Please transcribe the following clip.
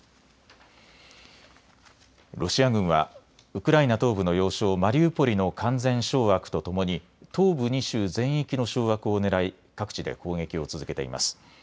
ロシア軍はウクライナ東部の要衝マリウポリの完全掌握とともに東部２州全域の掌握をねらい各地で攻撃を続けています。